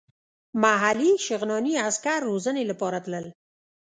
محلي شغناني عسکر روزنې لپاره تلل.